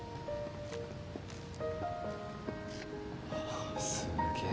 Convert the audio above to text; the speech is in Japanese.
ああすげえ。